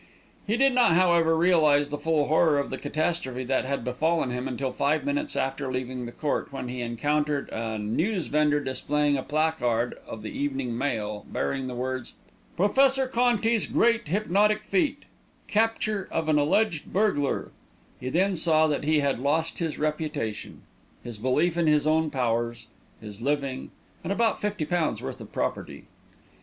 He did not, however, realise the full horror of the catastrophe that had befallen him until five minutes after leaving the court, when he encountered a newsvendor displaying a placard of The Evening Mail bearing the words: PROFESSOR CONTI'S GREAT HYPNOTIC FEAT CAPTURE OF AN ALLEGED BURGLAR He then saw that he had lost his reputation, his belief in his own powers, his living, and about fifty pounds' worth of property.